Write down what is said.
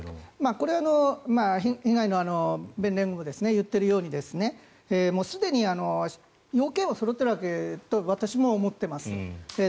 これは被害の弁連も言っているようにもうすでに要件はそろっていると私も思っています。